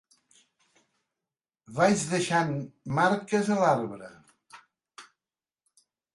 Vaig deixant marques a l'arbre.